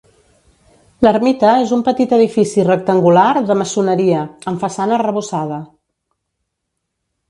L'ermita és un petit edifici rectangular de maçoneria, amb façana arrebossada.